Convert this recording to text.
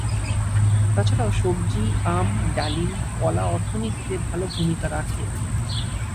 তাছাড়াও সবজি, আম, ডালিম, কলা অর্থনীতিতে ভালো ভুমিকা রাখে।